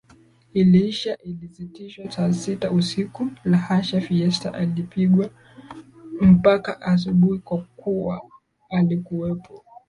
iliisha ilisitishwa saa sita usiku La hasha Fiesta ilipigwa mpaka asubuhi kwa kuwa alikuwepo